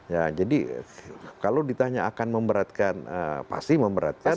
ya jadi kalau ditanya akan memberatkan pasti memberatkan